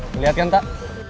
ngeliat kan tak